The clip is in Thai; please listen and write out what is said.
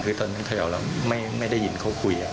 คือตอนนั้นเขย่าแล้วไม่ได้ยินเขาคุย